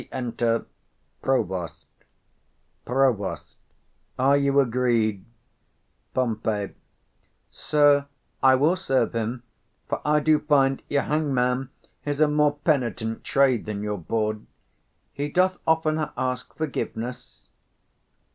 Re enter PROVOST. Prov. Are you agreed? Pom. Sir, I will serve him; for I do find your hangman is a more penitent trade than your bawd; he doth 45 oftener ask forgiveness.